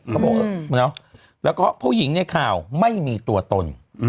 เขาบอกแล้วก็ผู้หญิงในข่าวไม่มีตัวตน